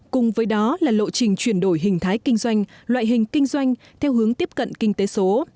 cùng với đó là lộ trình chuyển đổi hình thái kinh doanh loại hình kinh doanh theo hướng tiếp cận kinh tế số